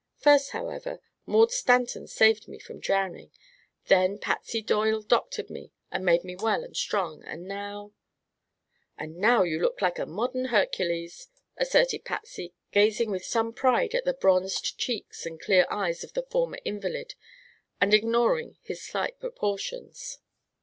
First, however, Maud Stanton saved me from drowning. Then Patsy Doyle doctored me and made me well and strong. And now " "And now you look like a modern Hercules," asserted Patsy, gazing with some pride at the bronzed cheeks and clear eyes of the former invalid and ignoring his slight proportions.